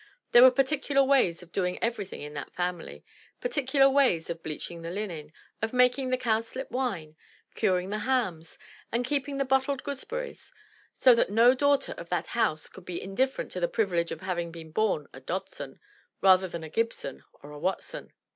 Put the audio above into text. There were particular ways of doing everything in that family; particular ways of bleaching the linen, of making the cowslip wine, curing the hams and keeping the bottled gooseberries; so that no daughter of that house could be indifferent to the privilege of having been bom a Dodson, rather than a Gibson or a Watson.